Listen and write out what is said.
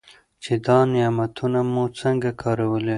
چې دا نعمتونه مو څنګه کارولي.